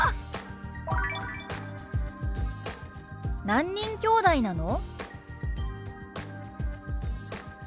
「何人きょうだいなの？」。